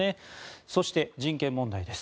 そして、人権問題です。